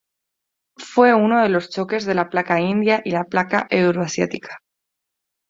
Fue uno de los choques de la placa India y la placa Euroasiática.